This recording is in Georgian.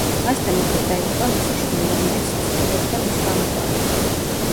მასთან ერთად დაიღუპა მისი შვილი, რომელიც ცდილობდა მის გამოყვანას.